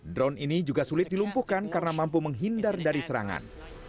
drone ini juga sulit dilumpuhkan karena mampu menghindar dari serangan